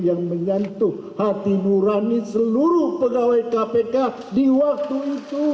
yang menyentuh hati nurani seluruh pegawai kpk di waktu itu